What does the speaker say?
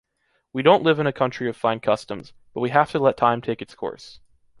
We don’t live in a country of fine customs, but we have to let time take its course.